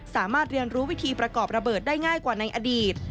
สามารถเรียนรู้วิธีประกอบระเบิดได้ง่ายกว่าในอดีต